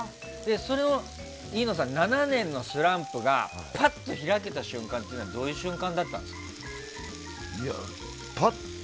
それを飯野さん７年のスランプがぱっと開けたのはどういう瞬間だったんですか。